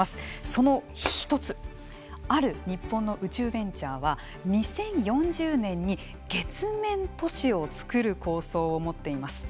その１つある日本の宇宙ベンチャーは２０４０年に月面都市を作る構想を持っています。